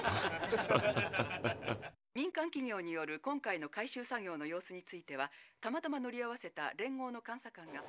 「民間企業による今回の回収作業の様子についてはたまたま乗り合わせた連合の監査官が」。